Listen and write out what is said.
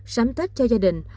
sắm tết cho gia đình